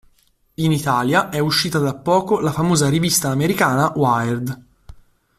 In Italia è uscita da poco la famosa rivista americana Wired.